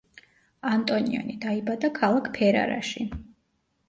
ანტონიონი დაიბადა ქალაქ ფერარაში.